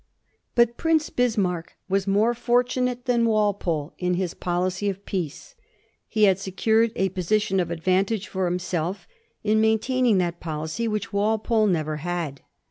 But Prince Bismarck was more fortunate than Walpole in his policy of peace. He had secured a position of advantage for himself in maintaining that policy which Walpole never had.